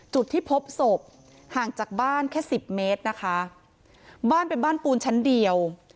จุดที่พบศพห่างจากบ้านแค่สิบเมตรนะคะบ้านเป็นบ้านปูนชั้นเดียว